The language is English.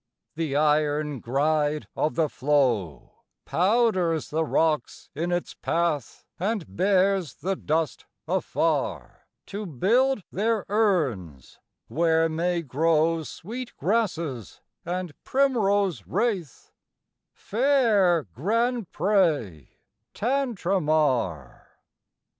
The iron gride of the flow Powders the rocks in its path, And bears the dust afar To build their urns, where may grow Sweet grasses and "primrose rathe," Fair Grand Pré, Tantramar!